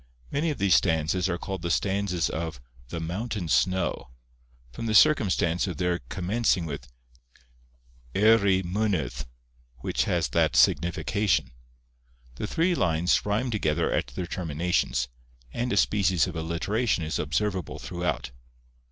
Many of these stanzas are called the stanzas of 'The Mountain Snow,' from the circumstance of their commencing with 'Eiry Mynydd,' which has that signification. The three lines rhyme together at their terminations; and a species of alliteration is observable throughout.